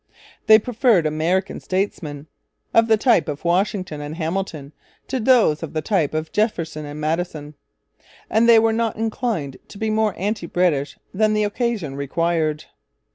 They preferred American statesmen of the type of Washington and Hamilton to those of the type of Jefferson and Madison. And they were not inclined to be more anti British than the occasion required.